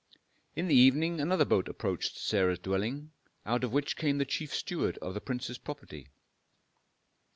In the evening another boat approached Sarah's dwelling, out of which came the chief steward of the prince's property.